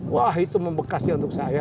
wah itu membekasnya untuk saya